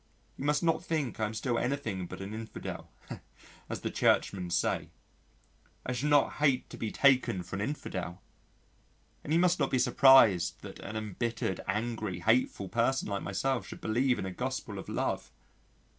You must not think I am still anything but an infidel (as the churchmen say), I should hate not to be taken for an infidel and you must not be surprised that an embittered, angry, hateful person like myself should believe in a Gospel of Love.